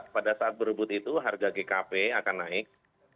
pada saat berebut itu harga gkp akan naik